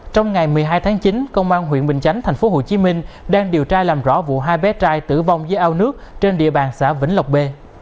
trong ngày một mươi hai tháng chín công an huyện bình chánh tp hcm đang điều tra làm rõ vụ hai bé trai tử vong dưới ao nước trên địa bàn xã vĩnh lộc b